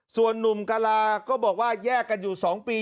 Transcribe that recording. ส่วนนุ่มกลาก็บอกว่าแยกกันอยู่๒ปี